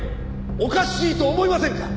「おかしいと思いませんか？」